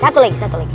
satu lagi satu lagi